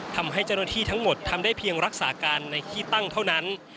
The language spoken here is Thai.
ทำให้เจ้าหน้าที่ทั้งหมดทำได้เพียงรักษาการในที่ตั้งเท่านั้น